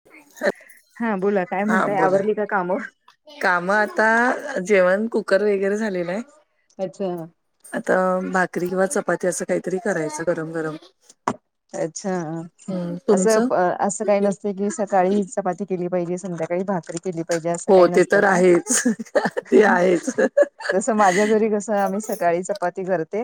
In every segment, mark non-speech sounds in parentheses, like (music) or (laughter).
(inaudible) हा, बोला काय हा म्हणताय. बोला आवरली का काम. काम आता जेवण कुकर वगैरे झालेल आहे. अच्छा आता भाकरी किंवा चपाती असं काहीतरी करायच गरम गरम. अच्छ हम्म अस तुमचं प असं काही नसते की. सकाळी ही चपाती केली पाहिजे. संध्याकाळी भाकरी केली पाहिजे अस हो काही ते नसत तर का? आहेच ते आहेच जस माझ्या घरी कस आम्ही सकाळी चपाती करते.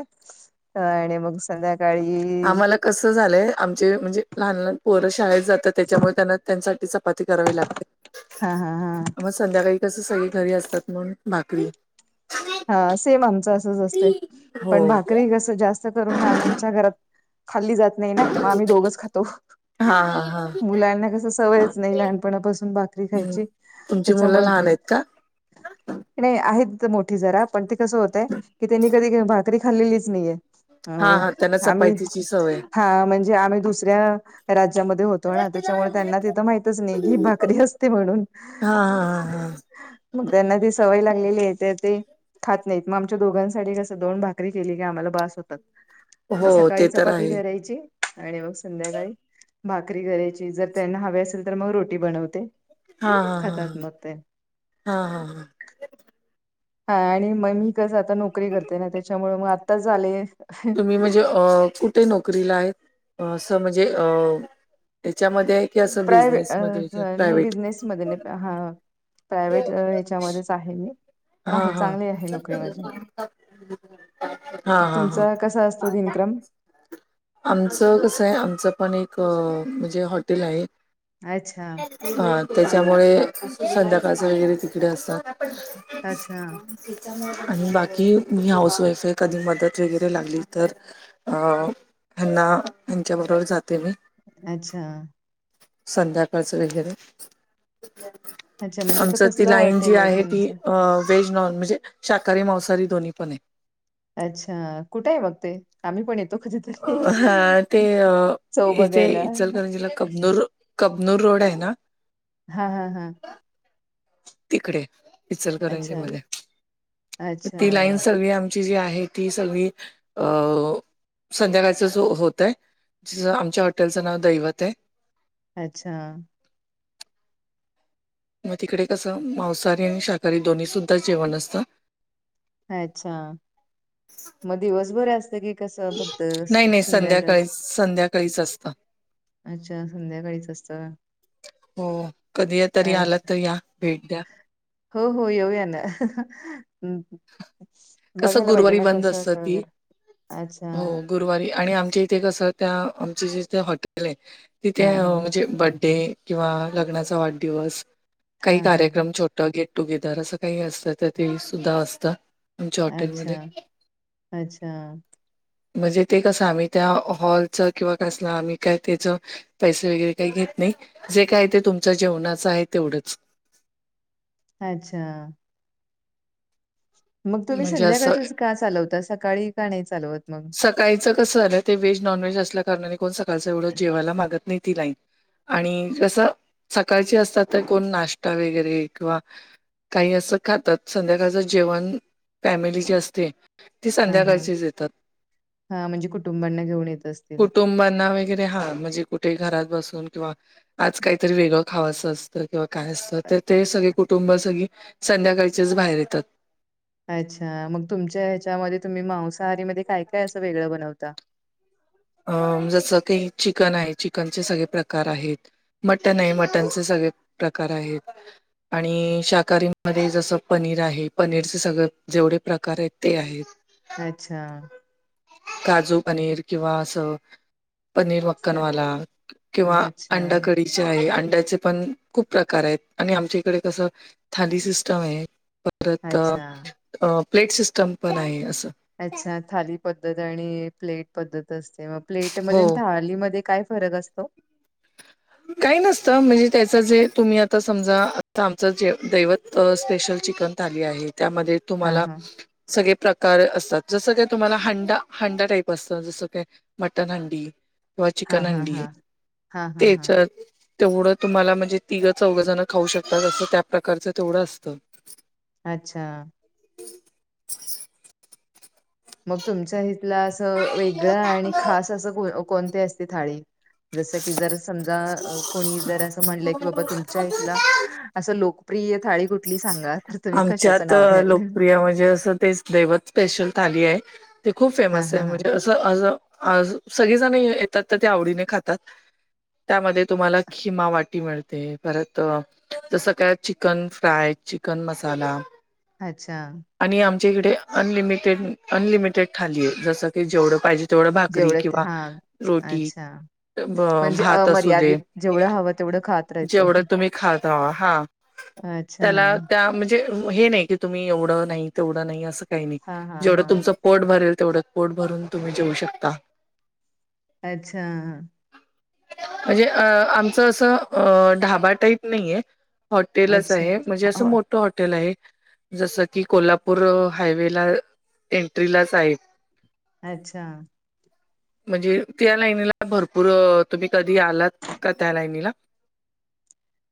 आणि मग संध्याकाळी कस झालय आमचे म्हणजे लहान लहान पोर शाळेत जातात. त्याच्यामुळे त्यांना त्यांसाठीच चपाती करावी लागते. हा हा हा मग संध्याकाळी कस सगळी घरी असतात म्हणून भाकरी हा सेम आमच असच असतय. हो पण भाकरी कस जास्त जास्त करून आमच्या घरात खाल्ली जात नाही ना. मग आम्ही दोघच खातो. हा हा हा मुलांना कसं सवयच नाही लहानपणापासून भाकरी हम्म खायची. तुमची मुलं त्याच्यामुळे ते लहान आहेत का? नाही आहेत मोठी जरा. पण ते कसं होतय कि त्यांनी कधी भाक करी खाल्लेलीच नाहीये. हा अ हा त्यांना आम्ही चपातीची सवय हा म्हणजे आम्ही दुसऱ्या राज्यामध्ये होतो ना. त्याच्यामुळे त्यांना तिथं माहितच नाही की भाकरी असते म्हणून. हा हा हा हा मग त्यांना ती सवय लागलेली आहे. तर ते खात नाहीत. मग आमच्या दोघांसाठी कसं दोन भाकरी केली कि आम्हाला बास होतात. मग हो सकाळी ते तर चपाती आहे करायची आणि मग संध्याकाळी भाकरी करायची. जर त्यांना हवे असेल तर मग रोटी बनवते. हा हा खातात मग ते हा हा हा हा हा हा आणि मग मी कसं आता नोकरी करते ना. त्याच्यामुळे मग आत्ताच आले. तुम्ही म्हणजे अ कुठे नोकरीला आहेत? असं म्हणजे अ त्याच्यामध्ये प्रायवेट अ नाही बिजनेस बिसनेस नाही. प्राइवेट हेच्यामध्येच आहे मी. पण हा आहे हा चांगली आहे नोकरी माझी हा हा हा. तुमचा कसा असतो दिनक्रम आमचं कसं आहे? आमचं पण एक म्हणजे हॉटेल आहे. अच्छा. हा. त्याच्यामुळे संध्याकाळच वगैरे तिकडे असतो. अच्छा. आणि बाकी मी हाऊस वाईफ आहे. कधी मदत वगैरे लागली तर- अ ह्यांना, यांच्या बरोबर जाते मी. अच्छा. संध्याकाळचं वगैरे, अच्छा म्हणजे तर आमच ती कसलं लाईन जी हॉटेल आहे ती- तुमचं अ. व्हेज-नॉनव्हेज, शाकाहारी मांसाहारी दोन्ही पण आहे. अच्छा. कुठे आहे मग ते? आम्ही पण येतो कधीतरी. हा. ते चव इथे बघायला इचलकरंजीला कबनूर- कबनूर रोड आहे ना? हा हा हा. तिकडे. इचलकरंजी अच्छा मध्ये. ती लाईन अच्छा सगळी आमची जी आहे- ती सगळी अ- संध्याकाळंचच होतय. आमच्या हॉटेलचं नाव दैवत आहे. अच्छा. मग तिकडे कसं? मांसाहारी आणि शाकाहारी दोन्ही सुुद्धा जेवण असतं. अच्छा. मग दिवसभर असतं कि कसं फक्त नाही नाही संध्याकाळी संध्याकाळचं? संध्याकाळीच असतं. अच्छा. संध्याकाळीच असतं. हो. कधी अ तरी आलात तर या. भेट द्या. हो हो. येऊया ना. हूं. हं. कसं बघायला पाहिजे गुरुवारी ना बंद कसं असतं असं ती वगैरे अच्छा. हो गुरुवारी आणि आमच्या इथे कसं? त्या आमचे जिथे हॉटेल आहे- तिथे हा हा म्हणजे बड्डे किंवा लग्नाचा वाढदिवस हा काही हा हा कार्यक्रम छोट- गेट टुगेदर असं काही असल तर ते सुद्धा असतं. तुमच्या अच्छा हॉटेलमध्ये. अच्छा म्हणजे ते कसं आम्ही त्या हॉलच किंवा कसला आम्ही काय त्याच- पैसे वगैरे काही घेत नाही. जे काय ते तुमच्या जेवणाचं आहे तेवढंच. अच्छा. मग तुम्ही संध्याकाळचेच असं का चालवता? सकाळी का नाही चालवत मग? सकाळीच कसं झालंय? ते व्हेज, नॉन व्हेज असल्या कारणाने कोण सकाळच एवढं जेवायला मागत नाही ती लाईन. आणि कसं? सकाळची असतात तर कोण नाश्ता वगैरे किंवा- काही असं खातात. संध्याकाळचं जेवण फॅमिली जी असते- ती संध्याकाळचीच येतात. हां. म्हणजे कुटुंबांना घेऊन येत असतील? कुटुंबांना वगैरे, हा. म्हणजे कुठे घरात बसून किंवा आज काहीतरी वेगळं- खावं असं असतं किंवा काय असतं? अ- तर ते सगळे कुटुंब सगळी संध्याकाळचेच बाहेर येतात. अच्छा. मग तुमच्या ह्याच्यामध्ये तुम्ही मांसाहारी मध्ये काय काय असं वेगळं बनवता? अ. जसं की चिकन आहे. चिकनचे सगळे प्रकार आहेत. मटन आहे. मटणचे सगळे प्रकार आहेत. आणि शाकाहारी मध्ये जसं पनीर आहे. पनीरचे सगळं जेवढे प्रकार आहेत ते आहेत. अच्छा. काजू पनीर किंवा असं- पनीर अच्छा मक्कनवाला किंवा अच्छा. अंडा करी. शिवाय अंड्याचे पण खूप प्रकार आहेत आणि आमच्या इकडे कस? थाली सिस्टम आहे परत अच्छा. अ प्लेट सिस्टम पण आहे असं. अच्छा थाली पद्धत आणि प्लेट पद्धत असते मग. प्लेटमध्ये हो अन थालीमध्ये काय फरक असतो. काही नसत म्हणजे त्याच जे तुम्ही आता समजा आमच जे दैवत. स्पेशल चिकन आली आहे त्यामध्ये हां तुम्हाला. हां. सगळे प्रकार असतात जसं का तुम्हाला हांडा हांडा टाईप असत जसं काय. मटन हंडी किंवा हां चिकन हां हंडी हां. हां हां हां. तेचत. तेवढं तुम्हाला म्हणजे तिघं चौघंजण खाऊ शकतात असं त्या प्रकारचं तेवढं असतं. अच्छा. मग तुमच्या ईथला असं वेगळं आणि खास असं कोणती असते थाळी. जस की जर समजा कोणी जर असं म्हणलं की बाबा तुमच्या इथला असं लोक. प्रिय थाळी कुठली सांगाल. आमच्यात लोकप्रिय म्हणजे असं तेच दैवत स्पेशल थाली आहे. ते खूप हां फेमस आहे हां हां. म्हणजे असं असं असं सगळेजण येतात तर ते आवडीने खातात. त्यामध्ये तुम्हाला खिमावाटी मिळते परत. तसं काय चिकन फ्राय चिकन मसाला. अच्छा. आणि आमच्या इकडे अनलिमिटेड अनलिमिटेड थाली आहे जसं की जेवढं पाहिजे. तेवढं भाकरी जेवढं किंवा हां. रोटी. अच्छा. भा म्हणजे भात असू दे अमर्यादित जेवढं हवं तेवढं खात राहायचं. जेवढं तुम्ही खाता हा. अच्छा. त्याला त्या म्हणजे हे नाही की तुम्ही एवढं नाही तेवढं नाही अस काही नाही हा हा जेवंढ हा तुमच. पोट भरेल तेवढंच पोट भरून तुम्ही जेऊ शकता. अच्छा. म्हणजे अ आमचं असं ढाबा टाईप नाहीये. हॉटेलच अच्छा आहे म्हणजे असं हो मोठं हॉटेल आहे. जसं की कोल्हापूर हायवे ला एंट्रीलाच आहे. अच्छा. म्हणजे त्या लाईनीला भरपूर तुम्ही कधी आलात का त्या लाईनीला.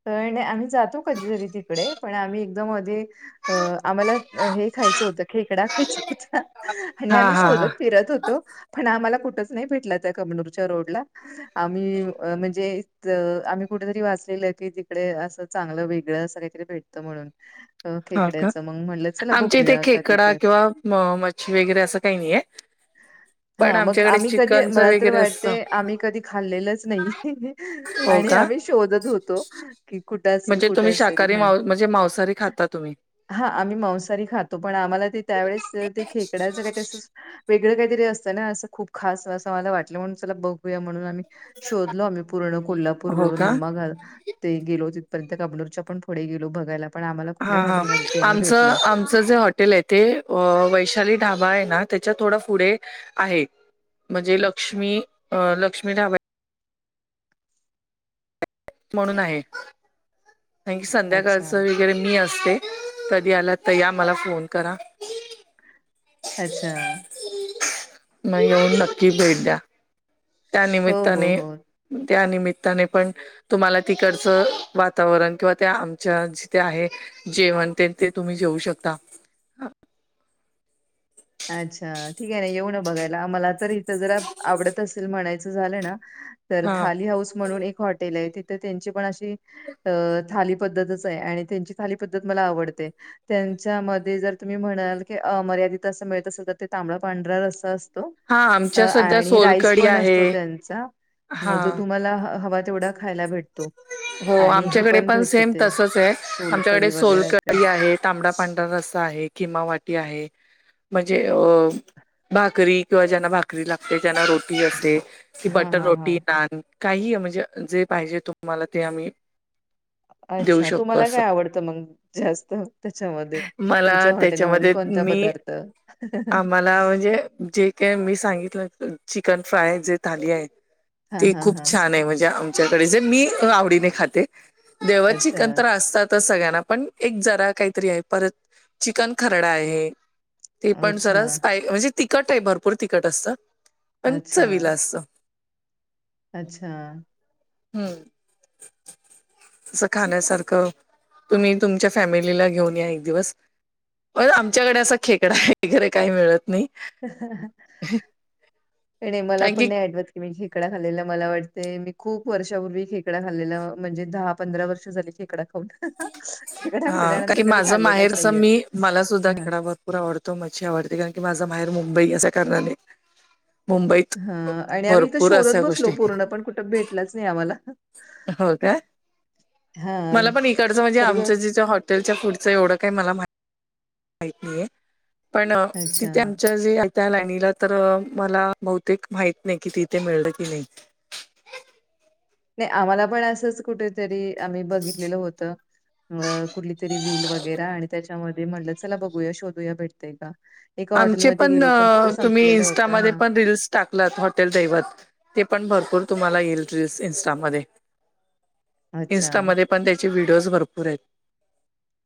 काही नाही आम्ही जातो कधीतरी तिकडे पण आम्ही एकदम मधे. अ आम्हाला हे खायचं होतं खेकडा खायचा होता. आणि हा आम्ही हा हा शोधत फिरत होतो पण आम्हाला कुठच नाही भेटला त्या कमनूरच्या रोडला. आम्ही म्हणजे ज आम्ही कुठेतरी वाचलेलं. कि तिकडे असं चांगलं वेगळं असं काहीतरी भेटतं म्हणून. अ हा का खेकड्याचं मग म्हणलं चला आमच्या इथे बघूया कधी खेकडा तर. किंवा म मच्छी वगैरे असं काही नाहीये. पण हा मग आमच्याकडे आम्ही कधी चिकनचं मला तर वगैरे असं वाटते आम्ही कधी खाल्लेलंच नाहीे. हो का. शोधत होतो की कुठ असेल म्हणजे कुठ तुम्ही असेल शाकाहारी हा. मां म्हणजे मांसाहारी खाता तुम्ही हा आम्ही मांसारी खातो पण आम्हाला ते त्यावेळेस ते खेकड्याचं काही तसंस. वेगळं काहीतरी असतं ना असं खूप खास असं मला वाटलं म्हणून चला बघूया म्हणून आम्ही. शोधलो आम्ही पूर्ण कोल्हापूर हो रोड का निम्मागाल. ते गेलो तिथपर्यंत कमनूरच्या पण पुढे गेलो बघायला पण आम्हाला. हां कुठल्याच हॉटेलमध्ये ते हां नाही भेटलं. आमचं आम जे हॉटेल आहे ते वैशाली ढाबा आहे ना त्याच्या थोडा पुढे आहे. म्हणजे लक्ष्मी लक्ष्मी ढाब. म्हणून आहे काय संध्याकाळच अच्छा, वे वगैरे मी असते तधी आला तर या मला फोन करा. अच्छा. म येऊन नक्की भेट द्या हो, हो, त्यानिमित्ताने. हो. त्या निमित्ताने पण. तुम्हाला तिकडचं वातावरण किंवा त्या आमच्या जिथे आहे जेवन तेन ते तुम्ही जेऊ शकता. अच्छा! ठीक आहे ना येऊ ना बघायला मला तर इथं जरा आवडत असेल म्हणायचं झालं ना तर हा थाली हाऊस म्हणून एक हॉटेल आहे तिथे त्यांची पण अशी अ थाली पद्धतच आहे आणि त्यांची थाली पद्धत मला आवडते. त्यांच्यामध्ये जर तुम्ही म्हणाल की मर्यादित असं मिळत असल तर ते तांबड पांढरा रस्सा अस. हा अ आमच्या सध्या आणि राईस सोलकडी पण आहे असतो त्यांचा. म हा जो तुम्हाला हवा तेवढा खायला भेट हो आमच्याकडे पण सेम ते तसच आहे. आमच्याकडे सोलकढी वगैरे ते. सोलकढी आहेत. तांबडा पांढरा रस्सा आहे खिमा वाटी आहे. म्हणजे अ भाकरी किंवा ज्यांना भाकरी लागते ज्यांना रोटी असते. कि हां, बटर हां, हां. रोटी, नान काहीही म्हणजे जे पाहिजे तुम्हाला ते आम्ही (inaudible) अच्छा! शकतो तुम्हाला असं काय आवडत मग जास्त त्याच्यामध्ये? मला तुमच्या हॉटेलमध्ये त्याच्यामध्ये कोणता मी पदार्थ तर आम्हाला म्हणजे जे ते मी सांगितलं ना चिकन फ्राय जे थाली आहे हां, ती हां, खूप हां. छान आहे म्हणजे आमच्याकडे जे मी आवडीने खाते. जेव्हा अच्छा, चिकन तर असतातचं सगळ्यांना पण एक जरा काहीतरी आहे परत चिकन खरडा आहे. ते पण अच्छा, जरा स्पाई म्हणजे तिखट आहे भरपूर तिखट असतं. पण अच्छा, चवीला असतं. अच्छा. हम्म. असं खाण्यासारखं तुम्ही तुमच्या फॅमिलीला घेऊन या एक दिवस. परत आमच्याकडे अस खेकडा आहे. खरं काय मिळत नाही. (inaudible) नाही नाही मला कारण की पण नाही आठवत. मी खेकडा खाल्लेला मला वाटते मी खूप वर्षापूर्वी खेकडा खाल्लेला म्हणजे दहा-पंधरा वर्ष झाली खे कडा खाऊन. खेकडा मि हा कारण की त्याच्यानंतर कधी माझं माहेर खाल्लेलाच असं नाहीये मी मला सुद्धा हा. खेकडा भरपूर आवडतो. मच्छी आवडते कारण की माझ माहेर मुंबई असा कारणाने. मुंबईत हा आणि आम्ही इथं भरपूर शोधत अशा गोष्टी बसलो पूर्ण पण कुठं भेटलाच नाही आम्हाला. हो काय? (inaudible) मला हां, पण इकडचं म्हणजे खरं आमचं तर जे जे हॉ टेलच्या फूडच एवढं काही मला मा- (inaudible) माहीत नाही. पण अच्छा. तिथे आमच्या जे आ त्या लाईनीला तर मला बहुतेक माहित नाही कि तिथे मिळलं की नाही. नाही आम्हाला पण असंच कुठेतरी आम्ही बघितलेलं होतं. मग कुठली तरी रील वगैरा आणि त्याच्यामध्ये म्हटलं चला बघूया शोधूया भेटतय का? एका आमचे हॉटेलमध्ये पण गेलो अ तिथं तुम्ही संपलेलं होतं इन्स्टामध्ये हां. पण रील्स टाकलात हॉटेल दैवत. ते पण भरपूर तुम्हाला येईल रील्स इन्स्टामध्ये. (inaudible) अच्छा. इन्स्टामध्ये पण त्याचे व्हिडिओज भरपूर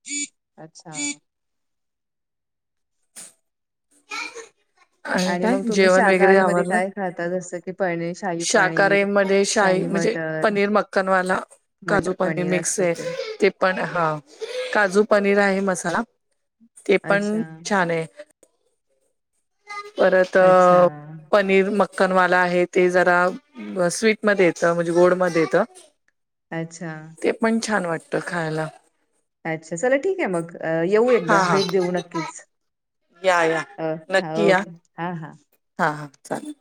(inaudible) अच्छा. आणि काय मग तुम्ही जेवण शाकाहारी मध्ये काय खाता? जसं की पनिश शाकाहारी मध्ये शाही म्हणजे पनीर मक्ख नवाला काजू मटर पनीर मिक्स असतं ते. आहे. पण हा काजू पनीर आहे मसाला (inaudible) ते अच्छा, पण छान आहे. परत अ अच्छा, पनी पनिर मक्खनवाला आहे ते जरा अ स्वीटमध्ये येत म्हणजे गोड मध्ये येत. अच्छा. ते पण छान वाटत खायाला. अच्छा, चला ठीक आहे मग येऊ एकदा हा हा भेट देऊ नक्कीच. या या अ हा नक्की या ओके. हा, हा. हा हा चालेल.